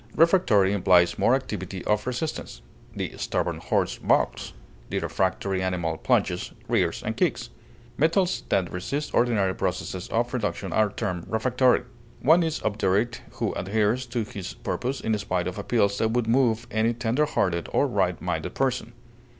Refractory implies more activity of resistance; the stubborn horse balks; the refractory animal plunges, rears, and kicks; metals that resist ordinary processes of reduction are termed refractory. One is obdurate who adheres to his purpose in spite of appeals that would move any tender hearted or right minded person.